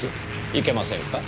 いけませんか？